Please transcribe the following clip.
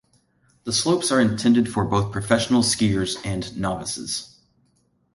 The slopes are intended for both professional skiers and novices.